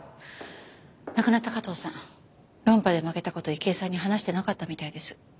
亡くなった加藤さん論破で負けた事池井さんに話してなかったみたいです。